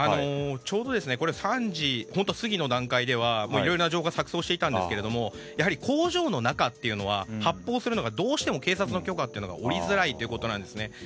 ３時過ぎの段階ではいろいろな情報が錯綜していたんですけれどもやはり工場の中というのは発砲するのがどうしても警察の許可が下りづらいということなんですね。